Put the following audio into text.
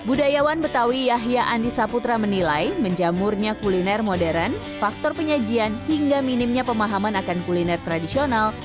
budayawan betawi yahya andi saputra menilai menjamurnya kuliner modern faktor penyajian hingga minimnya pemahaman akan kuliner tradisional